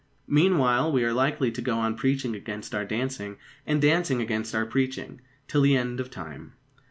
Meanwhile, we are likely to go on preaching against our dancing, and dancing against our preaching, till the end of time.